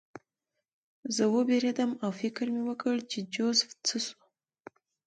زه ووېرېدم او فکر مې وکړ چې جوزف څه شو